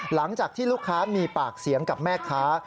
หลังจากที่ลูกค้ามีปากเสียงกับแม่ค้า